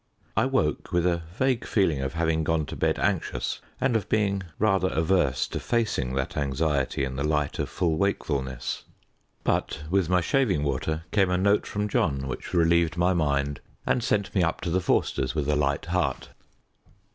I woke with a vague feeling of having gone to bed anxious, and of being rather averse to facing that anxiety in the light of full wakefulness. But with my shaving water came a note from John which relieved my mind and sent me up to the Forsters' with a light heart.